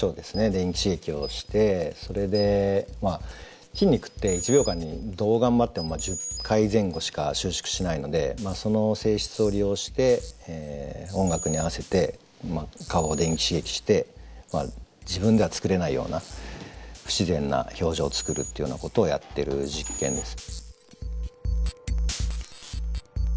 電気刺激をしてそれで筋肉って１秒間にどう頑張っても１０回前後しか収縮しないのでその性質を利用して音楽に合わせて顔を電気刺激して自分では作れないような不自然な表情を作るというようなことをやってる実験です。